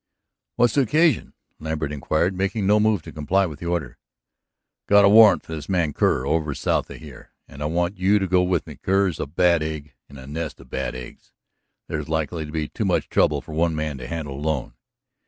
"What's the occasion?" Lambert inquired, making no move to comply with the order. "I've got a warrant for this man Kerr over south of here, and I want you to go with me. Kerr's a bad egg, in a nest of bad eggs. There's likely to be too much trouble for one man to handle alone.